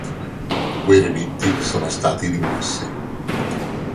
Quei relitti sono stati rimossi.